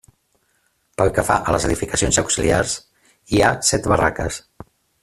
Pel que fa a les edificacions auxiliars, hi ha set barraques.